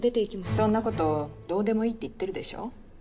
そんなことどうでもいいって言ってるでしょ。